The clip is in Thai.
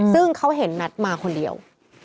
ซึ่งเขาเห็นนัทมาคนเดียว